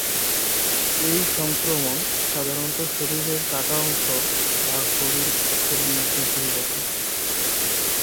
এই সংক্রমণ সাধারণত শরীরের কাটা অংশ বা গভীর ক্ষতের মধ্য দিয়ে ঘটে।